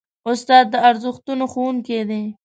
استاد د ارزښتونو ښوونکی دی.